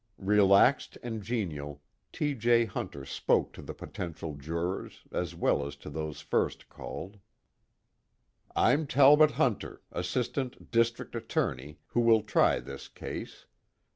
Relaxed and genial, T. J. Hunter spoke to the potential jurors as well as to those first called: "I'm Talbot Hunter, assistant district attorney who will try this case.